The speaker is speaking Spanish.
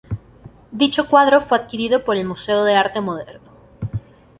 Dicho cuadro fue adquirido para el Museo de Arte Moderno.